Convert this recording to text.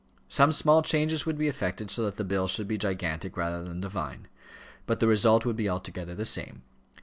Some small changes would be effected so that the bill should be gigantic rather than divine; but the result would be altogether the same.